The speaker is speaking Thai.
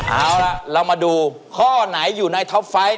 เอาล่ะเรามาดูข้อไหนอยู่ในท็อปไฟต์